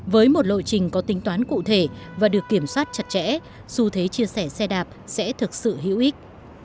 với một lộ trình có tính toán cụ thể và được kiểm soát chặt chẽ xu thế chia sẻ xe đạp sẽ thực sự hữu ích